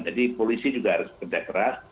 jadi polisi juga harus berdekat keras